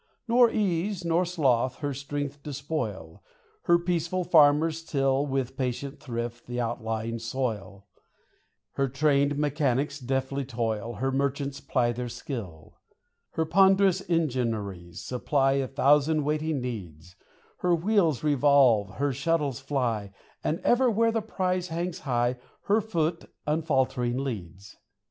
Nor ease nor sloth her strength despoil : Her peaceful farmers till, With patient thrift, th' outlying soil, 194 FITCHBURG Her trained mechanics deftly toil, Her merchants ply their skill ; Her ponderous engineries supply A thousand waiting needs ; Her wheels revolve, her shuttles fly, ŌĆö And ever where the prize hangs high, Her foot, unfaltering, leads.